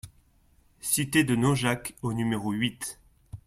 Cité de Naujac au numéro huit